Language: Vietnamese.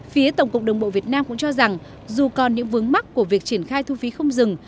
phía tổng cục đường bộ việt nam cũng cho rằng dù còn những vướng mắt của việc triển khai thu phí không dừng